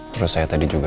terus saya tadi juga